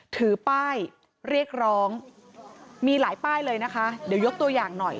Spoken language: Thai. ถือป้ายเรียกร้องมีหลายป้ายเลยนะคะเดี๋ยวยกตัวอย่างหน่อย